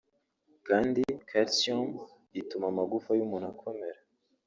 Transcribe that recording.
kandi Calcium ituma amagufa y’umuntu akomera